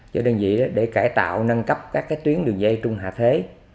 cho đơn vị để cải tạo nâng cấp các tuyến đường dây trung hạ thế